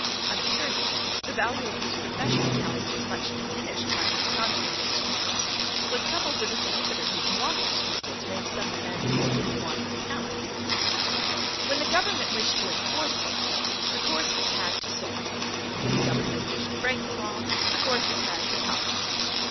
An Attorney, the value of whose professional talents was much diminished by his conscientious scruples, was coupled with a Solicitor whose want of scruples made some amends for his want of talents. When the government wished to enforce the law, recourse was had to Sawyer. When the government wished to break the law, recourse was had to Powis.